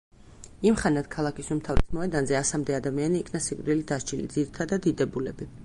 იმხანად ქალაქის უმთავრეს მოედანზე ასამდე ადამიანი იქნა სიკვდილით დასჯილი, ძირითადად, დიდებულები.